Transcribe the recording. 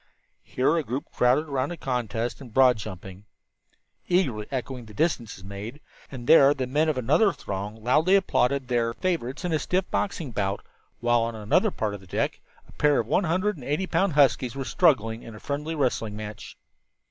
Here a group crowded around a contest in broad jumping, eagerly echoing the distances made, and there the men of another throng loudly applauded their favorites in a stiff boxing bout, while on another part of the deck a pair of one hundred and eighty pound huskies were struggling in a friendly wrestling match.